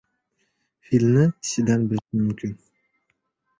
• Filni tishidan bilish mumkin.